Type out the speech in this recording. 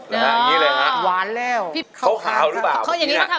อ๋ออย่างงี้เลยนะฮะหวานแล้วเขาขาวหรือเปล่า